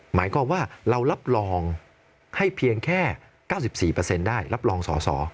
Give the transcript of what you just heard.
หมายความว่าเรารับรองให้เพียงแค่๙๔ได้รับรองสอสอ